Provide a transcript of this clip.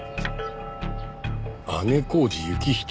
「姉小路行人」？